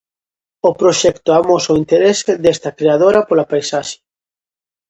O proxecto amosa o interese desta creadora pola paisaxe.